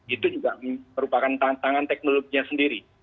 itu juga merupakan tantangan teknologinya sendiri